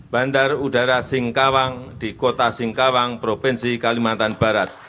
bandar udara singkawang di kota singkawang provinsi kalimantan barat